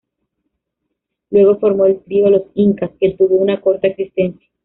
Luego formó el trío "Los Incas", que tuvo una corta existencia.